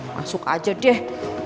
masuk aja deh